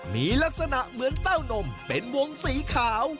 มีลักษณะเหมือนเต้านมเป็นวงสีขาว